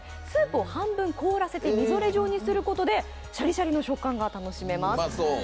スープを半分凍らせてみぞれ状にすることで、シャリシャリの食感が楽しめます。